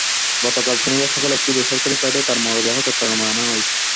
গতকাল শনিবার সকালে একটি বেসরকারি ফ্লাইটে তাঁর মরদেহ চট্টগ্রানে আনা হয়।